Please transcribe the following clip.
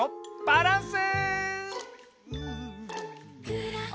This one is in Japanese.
バランス！